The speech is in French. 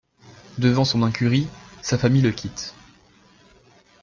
Devant son incurie, sa famille le quitte.